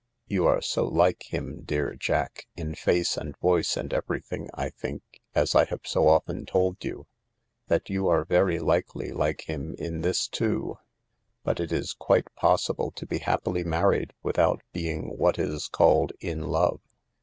You are so like him, dear Jack, in face and voice and everything, I think, as I have so often told you, that you are very likely like him ih this too. But it ifc quite possible to be happily married withott being what is called in love.